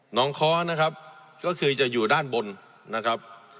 น้องค้อนะครับก็คือจะอยู่ด้านบนนะครับ